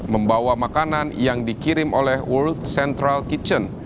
membawa makanan yang dikirim oleh world central kitchen